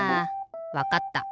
わかった。